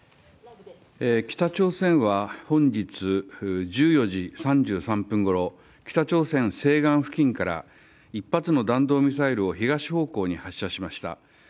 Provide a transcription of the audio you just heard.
北朝鮮は本日、１４時３３分ごろ、北朝鮮西岸付近から１発の弾道ミサイルを東方向に発射しました。